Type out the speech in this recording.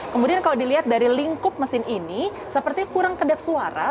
kemudian kalau dilihat dari lingkup mesin ini seperti kurang kedap suara